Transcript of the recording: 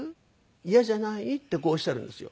嫌じゃない？」ってこうおっしゃるんですよ。